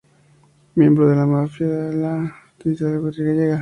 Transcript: Miembro de una familia de la hidalguía gallega.